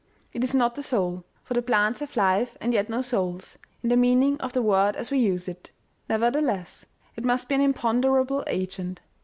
It is not the soul, for the plants have life, and yet no souls, in the meaning of the word as we use it. Nevertheless, it must be an imponderable agent.